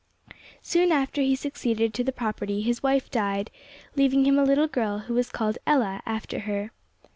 Soon after he succeeded to the property his wife died, leaving him a little girl, who was called Ella after her.